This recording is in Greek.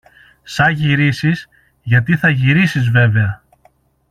Σα γυρίσεις, γιατί θα γυρίσεις βέβαια.